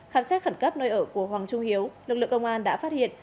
khám xét khẩn cấp nơi ở của hoàng trung hiếu lực lượng công an đã phát hiện